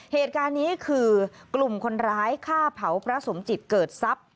เหตุการณ์นี้คือกลุ่มคนร้ายฆ่าเผาพระสมจิตเกิดทรัพย์